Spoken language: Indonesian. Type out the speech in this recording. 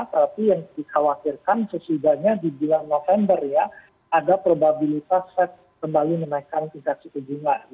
tapi yang dikhawatirkan sesudahnya di bulan november ya ada probabilitas fed kembali menaikkan tingkat suku bunga